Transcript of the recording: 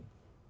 jadi apa dia